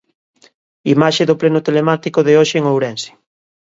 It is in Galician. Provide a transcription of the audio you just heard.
Imaxe do pleno telemático de hoxe en Ourense.